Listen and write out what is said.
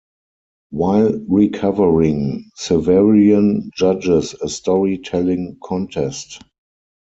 While recovering, Severian judges a story telling contest.